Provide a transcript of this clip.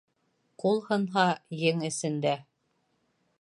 Ҡул һынһа, ең эсендә.